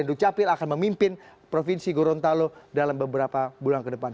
dalam beberapa bulan ke depan